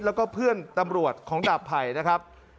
แล้วก็เพื่อนตำรวจของดาบไผ่นะครับ